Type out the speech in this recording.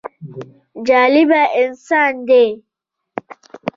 جالبه انسان دی.